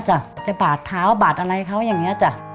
จะบาดเท้าบาดอะไรเขาอย่างนี้จ้ะ